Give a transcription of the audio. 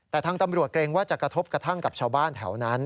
แต่ทางตำรวจเกรงว่าจะกระทบกระทั่งกับชาวบ้านแถวนั้น